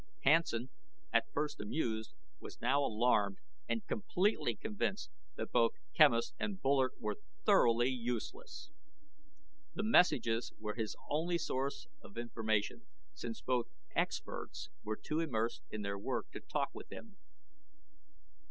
Hansen, at first amused, was now alarmed and completely convinced that both Quemos and Bullard were thoroughly useless. The messages were his only source of information, since both "experts" were too immersed in their work to talk with him.